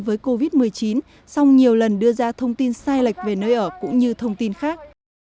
với covid một mươi chín sau nhiều lần đưa ra thông tin sai lệch về nơi ở cũng như thông tin khác